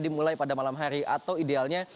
dimulai pada malam hari atau idealnya